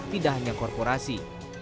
tidak hanya korporasi